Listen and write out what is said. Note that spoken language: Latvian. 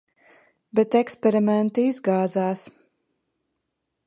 Bet eksperimenti izgāzās.